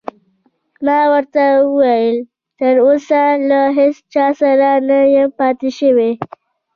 ما ورته وویل: تراوسه له هیڅ چا سره نه یم پاتې شوی.